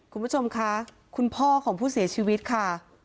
คุณผู้ชมค่ะคุณพ่อของผู้เสียชีวิตค่ะ